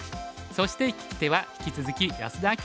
そして聞き手は引き続き安田明